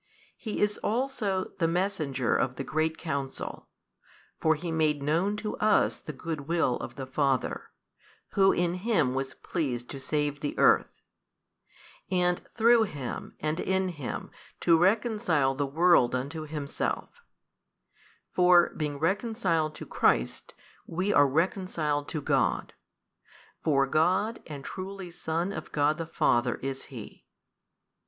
He is also the Messenger of the Great Counsel: for He made known to us the Good will of the Father, Who in Him was pleased to save the earth, and through Him and in Him to reconcile the world unto Himself: for being reconciled to Christ, we are reconciled to God: for God and truly Son of God the Father is He 32.